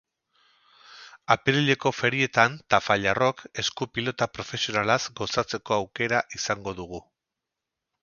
Apirileko Ferietan tafallarrok esku pilota profesionalaz gozatzeko aukera izango dugu.